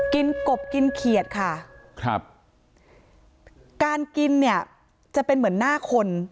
กบกินเขียดค่ะครับการกินเนี่ยจะเป็นเหมือนหน้าคน